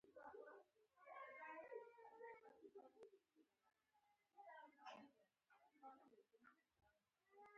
بېنظیرې د اسامه د مرکې ورته ویلي و.